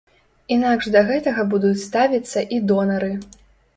Інакш да гэтага будуць ставіцца і донары.